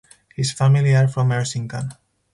His family are from Erzincan.